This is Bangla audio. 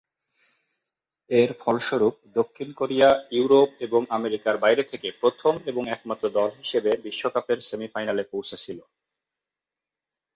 এর ফলস্বরূপ দক্ষিণ কোরিয়া ইউরোপ এবং আমেরিকার বাইরে থেকে প্রথম এবং একমাত্র দল হিসেবে বিশ্বকাপের সেমিফাইনালে পৌঁছেছিল।